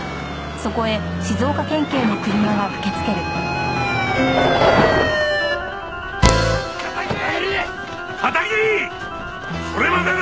それまでだ！